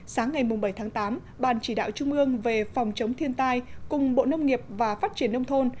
sáng ngày bảy tháng tám ban chỉ đạo trung ương về phòng chống thiên tai cùng bộ nông nghiệp và phát triển nông thôn